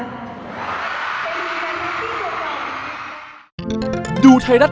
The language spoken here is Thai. สวัสดีครับ